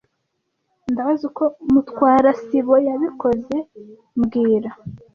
Ndabaza uko Mutwara sibo yabikoze mbwira